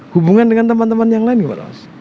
hubungan dengan teman teman yang lain gimana mas